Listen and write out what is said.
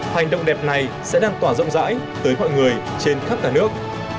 hành động đẹp này sẽ đăng tỏa rộng rãi tới mọi người trên khắp cả nước